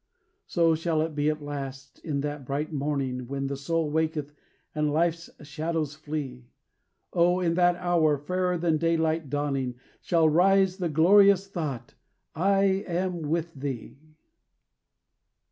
So shall it be at last, in that bright morning When the soul waketh and life's shadows flee; O, in that hour, fairer than daylight dawning, Shall rise the glorious thought, I am with thee!